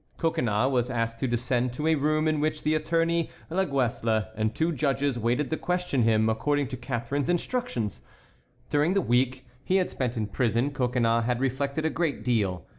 Coconnas was asked to descend to a room in which the Attorney Laguesle and two judges waited to question him according to Catharine's instructions. During the week he had spent in prison Coconnas had reflected a great deal.